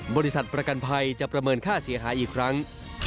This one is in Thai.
บริษัทประกันภัยจะประเมินค่าเสียหายอีกครั้ง